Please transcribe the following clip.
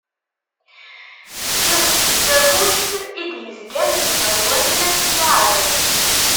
Tiẓgi n Takkuct i d-yezgan deg tɣiwant n At Smaεel.